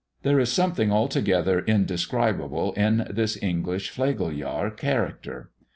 There is something altogether indescribable in this English Flegeljahr character.